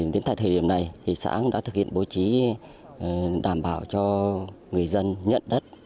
đến tại thời điểm này xã đã thực hiện bố trí đảm bảo cho người dân nhận đất